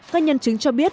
các nhân chứng cho biết